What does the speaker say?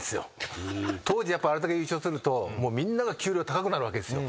当時やっぱあれだけ優勝するとみんなが給料高くなるわけですよ。